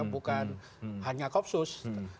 bukan hanya koopsus